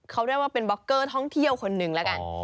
เขาเรียกว่าเป็นบล็อกเกอร์ท่องเที่ยวคนหนึ่งแล้วกัน